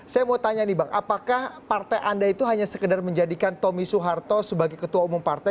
saya mau tanya nih bang apakah partai anda itu hanya sekedar menjadikan tommy soeharto sebagai ketua umum partai